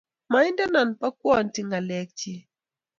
maindenon bokwonti ng'alekchich